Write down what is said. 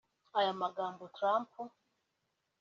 Aya magambo Trump